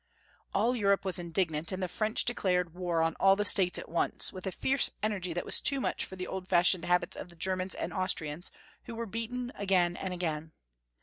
All Europe was indignant, and the French de clared war on all the states at once, with a fierce energy that was too much for the old fashioned habits of the Germans and Austrians, who were beaten again and again.